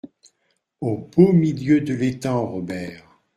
Au beau milieu de l’étang Robert !